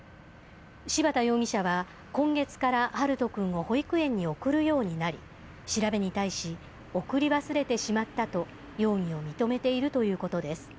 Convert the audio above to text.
柴田容疑者は今月から陽翔くんを保育園に送るようになり、調べに対し、送り忘れてしまったと容疑を認めているということです。